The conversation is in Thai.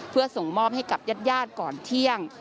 เพื่อส่งมอบให้กับญาติก่อนเที่ยง